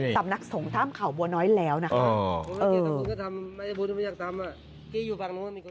สำนักสงฆ์ถ้ำเขาบัวน้อยแล้วนะคะ